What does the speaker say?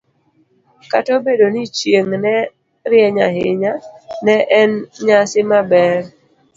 Kata obedo ni chieng' ne rieny ahinya, ne en nyasi maber.